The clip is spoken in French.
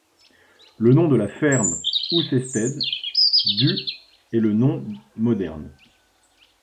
Le nom de la ferme Housesteads du est le nom moderne.